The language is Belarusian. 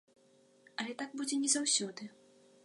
Але так будзе не заўсёды.